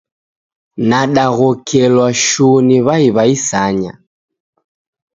Nadaghokelwa shuu ni w'ai w'a isanya.